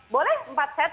boleh empat set